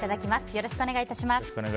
よろしくお願いします。